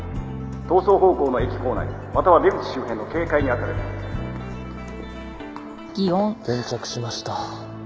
「逃走方向の駅構内または出口周辺の警戒にあたれ」現着しました。